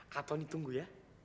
kak tony tunggu ya